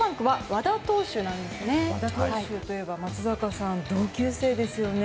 和田投手といえば松坂さん、同級生ですよね。